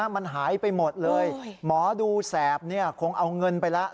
มันหายไปหมดเลยหมอดูแสบคงเอาเงินไปแล้ว